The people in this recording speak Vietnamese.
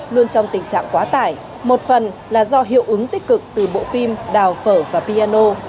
luôn trong tình trạng quá tải một phần là do hiệu ứng tích cực từ bộ phim đào phở và piano